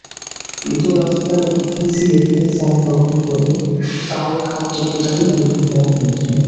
ঈদুল আজহার ভিজিএফের চাল গ্রহণ করে তাও খাদ্য গুদামেই রেখে দেওয়া হয়েছে।